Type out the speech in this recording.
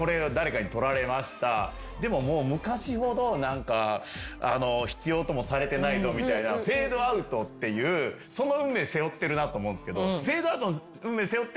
でももう昔ほど必要ともされてないぞみたいなフェードアウトっていうその運命背負ってるなと思うんすけど。